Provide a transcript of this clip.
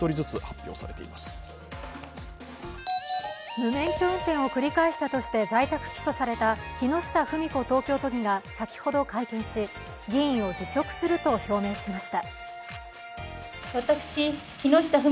無免許運転を繰り返したとして在宅起訴された木下富美子東京都議が先ほど会見し議員を辞職すると表明しました。